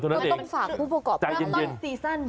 ก็ต้องฝากผู้ประกอบเพราะว่าต้นซีสัน